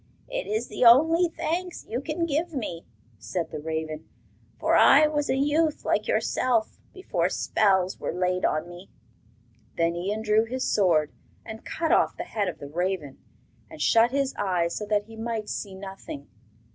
'It is the only thanks you can give me,' said the raven, 'for I was a youth like yourself before spells were laid on me.' Then Ian drew his sword and cut off the head of the raven, and shut his eyes so that he might see nothing.